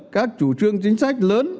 các chủ trương chính sách lớn